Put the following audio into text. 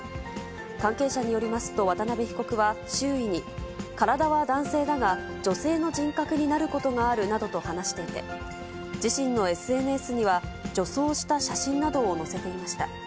関係者によりますと、渡辺被告は周囲に、体は男性だが、女性の人格になることがあるなどと話していて、自身のＳＮＳには、女装した写真などを載せていました。